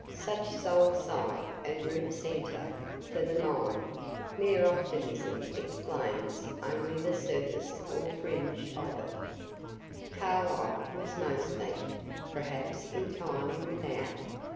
Such soul sight and root centre for the mind mere optimism explains only the surface or fringe of it Carlyle was mostly, perhaps entirely without.